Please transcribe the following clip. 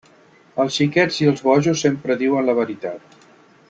Els xiquets i els bojos sempre diuen la veritat.